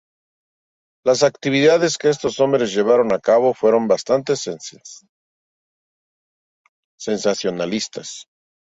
Las actividades que estos hombres llevaron a cabo fueron bastante sensacionalistas.